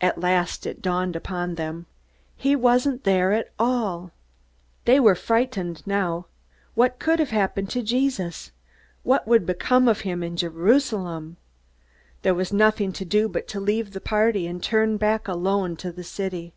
At last it dawned upon them. He wasn't there at all! They were frightened now. What could have happened to Jesus? What would become of him in Jerusalem? There was nothing to do but to leave the party, and turn back alone to the city.